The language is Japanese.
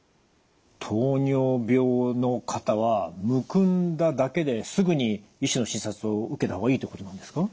糖尿病の方はむくんだだけですぐに医師の診察を受けた方がいいってことなんですか？